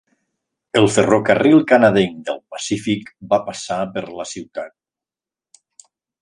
El ferrocarril canadenc del Pacífic va passar per la ciutat.